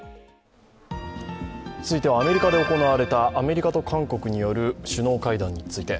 続いてはアメリカで行われたアメリカと韓国による首脳会談について。